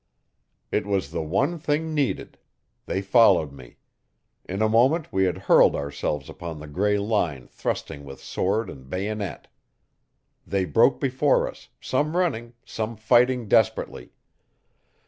It was the one thing needed they followed me. In a moment we had hurled ourselves upon the grey line thrusting with sword and bayonet. They broke before us some running, some fighting desperately.